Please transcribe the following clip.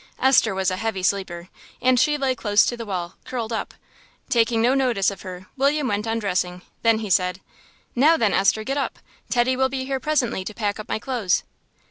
Esther was a heavy sleeper, and she lay close to the wall, curled up. Taking no notice of her, William went on dressing; then he said "Now then, Esther, get up. Teddy will be here presently to pack up my clothes."